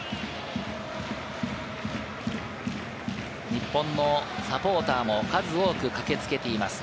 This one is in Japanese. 日本のサポーターも数多く駆けつけています。